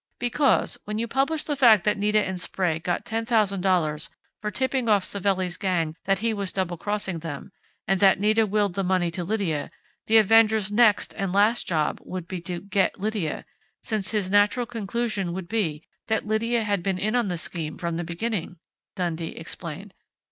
"Because, when you publish the fact that Nita and Sprague got $10,000 for tipping off Savelli's gang that he was double crossing them, and that Nita willed the money to Lydia, the avenger's next and last job would be to 'get' Lydia, since his natural conclusion would be that Lydia had been in on the scheme from the beginning," Dundee explained.